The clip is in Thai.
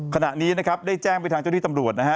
ขณะนี้นะครับได้แจ้งไปทางเจ้าที่ตำรวจนะฮะ